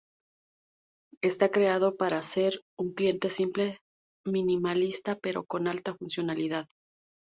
Está creado para ser un cliente simple, minimalista, pero con alta funcionalidad.